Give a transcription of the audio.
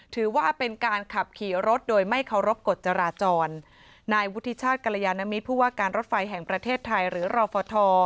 ถือว่าเป็นการขับขี่รถโดยไม่เคารพกฎจราจรนายวุฒิชาติกรยานมิตรผู้ว่าการรถไฟแห่งประเทศไทยหรือรอฟท